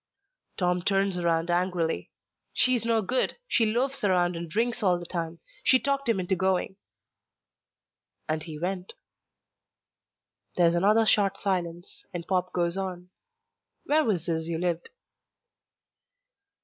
Tom turns around angrily. "She's no good. She loafs around and drinks all the time. She talked him into going." "And he went." There's another short silence, and Pop goes on. "Where was this you lived?"